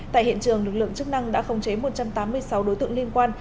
tại hiện trường lực lượng chức năng đã khống chế một trăm tám mươi sáu đối tượng liên quan